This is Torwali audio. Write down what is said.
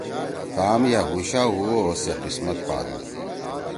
کام یأ ہُوشا ہُو او سے قسمت پادُو۔